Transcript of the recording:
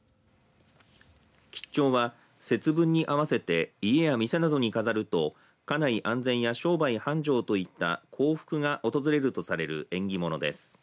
吉兆は節分に合わせて家や店などに飾ると家内安全や商売繁盛といった幸福が訪れるとされる縁起物です。